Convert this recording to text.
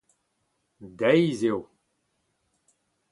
Deiz eo.